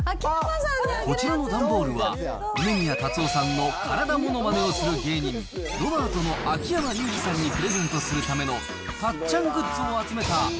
こちらの段ボールは梅宮辰夫さんの体ものまねをする芸人、ロバートの秋山竜次さんにプレゼントするための辰っちゃんグッズ